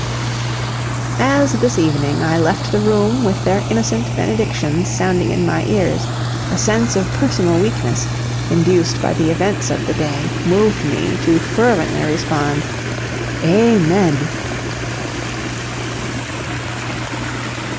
As this evening I left the room with their innocent benedictions sounding in my ears, a sense of personal weakness, induced by the events of the day, moved me to fervently respond "Amen!"